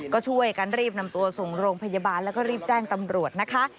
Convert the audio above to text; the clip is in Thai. ก็ช่วยกันรีบนำตัวส่งโรงพยาบาลแล้วก็รีบแจ้งตำรวจนะคะ